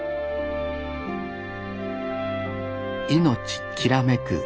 命きらめく